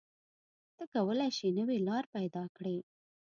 ته کولی شې نوې لارې پیدا کړې.